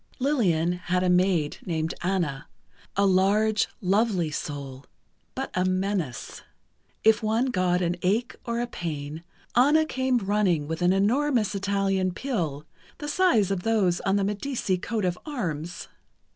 Lillian had a maid named Anna, a large, lovely soul, but a menace. If one got an ache or a pain, Anna came running with an enormous Italian pill, the size of those on the Medici coat of arms.